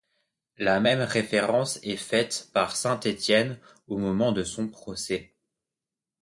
La même référence est faite par saint Étienne au moment de son procès.